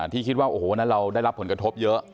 ที่คิดว่าโอ้โหวันนั้นเราได้รับผลกระทบเยอะ